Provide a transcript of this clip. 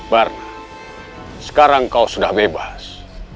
barna sekarang kau sudah bebas